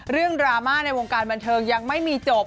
ดราม่าในวงการบันเทิงยังไม่มีจบ